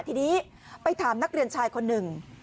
ทีนี้ไปถามนักเรียนชายคนหนึ่ง